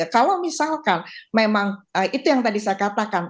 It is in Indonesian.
kalau misalkan memang itu yang tadi saya katakan